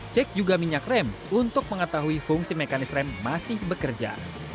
cek juga minyak rem untuk mengetahui fungsi mekanis rem masih bekerja